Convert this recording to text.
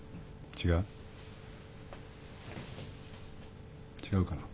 違うかな？